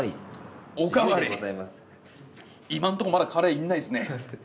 おかわり今んとこまだカレーいらないですね。